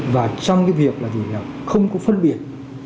và trong cái việc là gì nghèo không có phân biệt